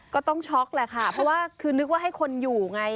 ต้องช็อกแหละค่ะเพราะว่าคือนึกว่าให้คนอยู่ไง